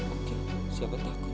oke siapa takut